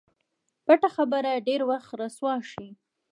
پټه خبره ډېر وخت رسوا شي.